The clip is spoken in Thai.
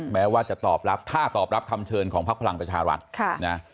แม้ว่าจะตอบรับถ้าตอบรับคำเชิญของพักพลังประชารัฐนะ